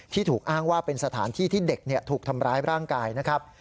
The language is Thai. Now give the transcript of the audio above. ถูกอ้างว่าเป็นสถานที่ที่เด็กถูกทำร้ายร่างกายนะครับ